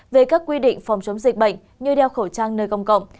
về các quy định phòng chống dịch bệnh như đeo khẩu trang nơi công cộng